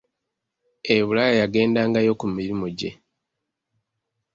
E bulaaya yagendangayo ku mirimu gye.